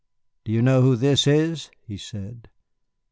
"Do you know who this is?" he said.